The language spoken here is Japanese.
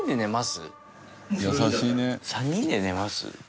３人で寝ます？